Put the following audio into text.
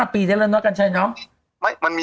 ๑๐๑๕ปีถ้าย้อเล่นล่ะกันใช่น้อง